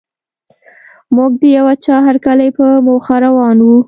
موږ د یوه چا هرکلي په موخه روان وو.